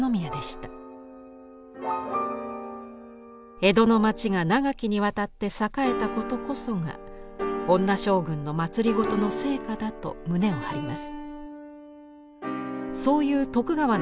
江戸の町が長きにわたって栄えたことこそが女将軍の政の成果だと胸を張ります。